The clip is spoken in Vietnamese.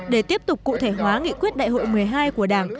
để tiếp tục cụ thể hóa nghị quyết đại hội một mươi hai của đảng